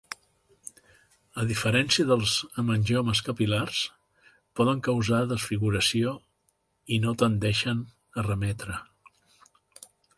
A diferència dels hemangiomes capil·lars, poden causar desfiguració i no tendeixen a remetre.